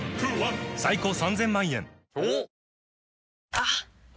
あっ！